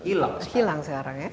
tapi bajakan semakin hilang sekarang ya